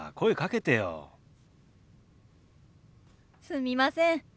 すみません。